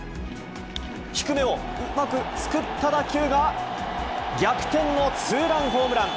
低めをうまくすくった打球が逆転のツーランホームラン。